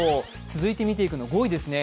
続いて見ていくのは５位ですね。